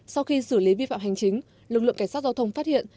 sau khi xử lý vi phạm hành chính lực lượng cảnh sát giao thông phát hiện